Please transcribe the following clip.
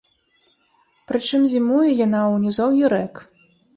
Прычым зімуе яна ў нізоўі рэк.